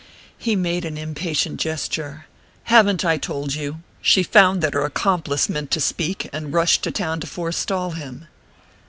He made an impatient gesture. "Haven't I told you? She found that her accomplice meant to speak, and rushed to town to forestall him."